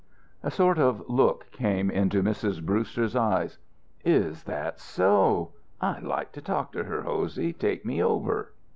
A sort of look came into Mrs. Brewster's eyes. "Is that so? I'd like to talk to her, Hosey. Take me over."